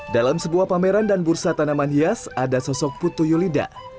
dalam sebuah pameran dan bursa tanaman hias ada sosok putu yulida